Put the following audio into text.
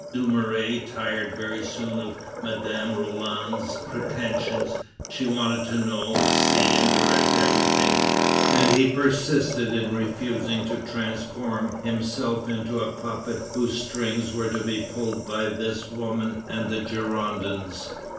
Dumouriez tired very soon of Madame Roland's pretensions; she wanted to know, see, and direct everything, and he persisted in refusing to transform himself into a puppet whose strings were to be pulled by this woman and the Girondins.